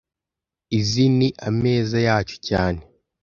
Izi ni ameza yacu cyane